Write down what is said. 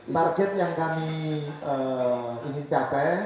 target yang kami ingin capai